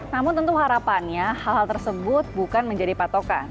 namun tentu harapannya hal hal tersebut bukan menjadi patokan